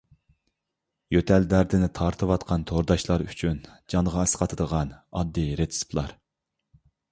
يۆتەل دەردىنى تارتىۋاتقان تورداشلار ئۈچۈن جانغا ئەسقاتىدىغان ئاددىي رېتسېپلار.